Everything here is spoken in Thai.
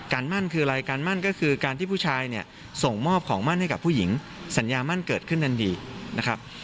มั่นคืออะไรการมั่นก็คือการที่ผู้ชายเนี่ยส่งมอบของมั่นให้กับผู้หญิงสัญญามั่นเกิดขึ้นทันทีนะครับ